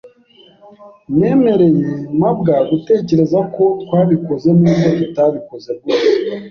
Nemereye mabwa gutekereza ko twabikoze nubwo tutabikoze rwose.